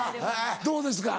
どうですか？